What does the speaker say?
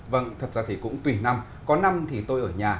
vâng thật ra thì cũng tùy năm có năm thì tôi ở nhà nhưng cũng có năm thì tôi ở nhà